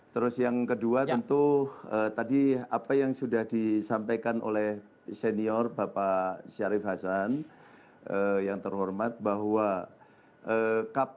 terus yang kedua tentu tadi apa yang sudah disampaikan oleh senior bapak syarif hasan yang terhormat bahwa kpu ini harus membawa amanah dari bpn